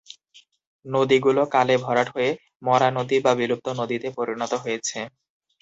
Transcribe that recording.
নদীগুলো কালে ভরাট হয়ে মরা নদী বা বিলুপ্ত নদীতে পরিণত হয়েছে।